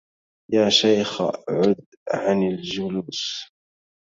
يا شيخ عد عن الجلوس